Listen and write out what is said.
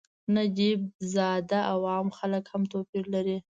نجیب زاده او عام خلک هم توپیر لري.